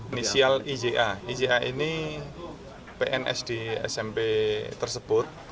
inisial ija ija ini pns di smp tersebut